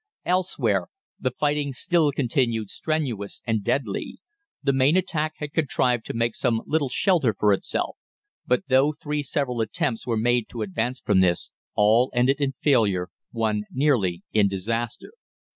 "Elsewhere the fighting still continued strenuous and deadly. The main attack had contrived to make some little shelter for itself; but though three several attempts were made to advance from this, all ended in failure, one nearly in disaster.